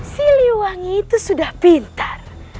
si liwangi itu sudah pintar